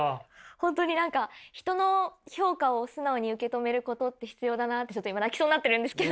本当に何か人の評価を素直に受け止めることって必要だなってちょっと今泣きそうになっているんですけど。